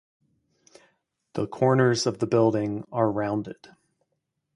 The corners of the building are rounded.